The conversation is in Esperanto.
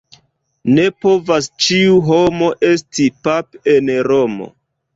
Ne povas ĉiu homo esti pap' en Romo.